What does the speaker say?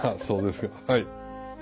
そうですかはい。